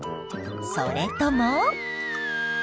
それとも。